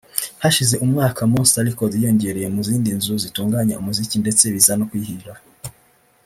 Hashize umwaka Monster Record yiyongereye mu zindi nzu zitunganya umuziki ndetse biza no kuyihira